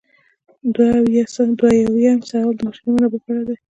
دوه اویایم سوال د بشري منابعو په اړه دی.